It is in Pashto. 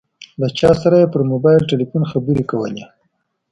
له چا سره یې پر موبایل ټیلیفون خبرې کولې.